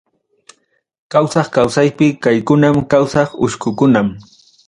Kawsaq kawsaypi, kaykunam kawsaq uchkukunam.